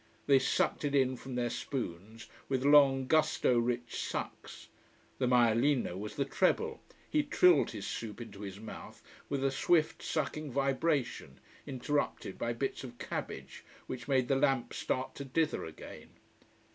They sucked it in from their spoons with long, gusto rich sucks. The maialino was the treble he trilled his soup into his mouth with a swift, sucking vibration, interrupted by bits of cabbage, which made the lamp start to dither again.